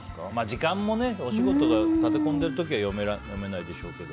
時間もお仕事が立て込んでいる時は読めないでしょうけど。